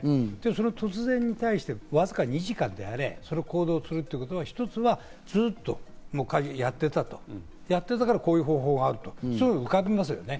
その突然に対して、わずか２時間であれ、その行動するということは、１つはずっとカジノをやっていたと、やっていたからこういう方法があるとすぐ浮かびますね。